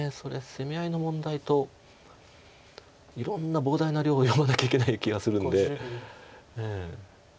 攻め合いの問題といろんな膨大な量を読まなきゃいけない気がするんで。